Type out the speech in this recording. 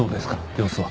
様子は。